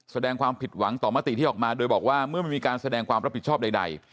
แสดงความผิดหวังต่อมติที่ออกมาโดยบอกว่าเมื่อไม่มีการแสดงความรับผิดชอบใด